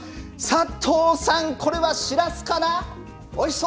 佐藤さん、これはしらすかな。